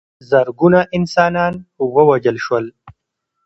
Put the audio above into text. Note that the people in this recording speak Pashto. زرګونه انسانان ووژل شول.